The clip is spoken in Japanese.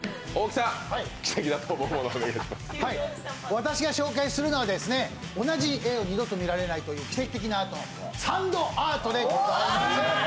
私が紹介するのは、同じ絵を二度と見られないという奇跡的なアートサンドアートでございます。